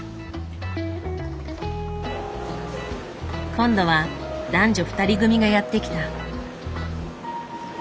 今度は男女２人組がやって来た。